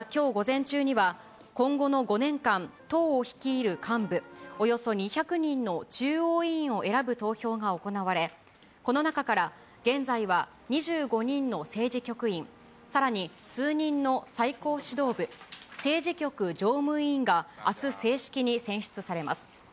また、きょう午前中には今後の５年間、党を率いる幹部、およそ２００人の中央委員を選ぶ投票が行われ、この中から現在は２５人の政治局員、さらに数人の最高指導部・政治局常務委員があす正式に選出されます。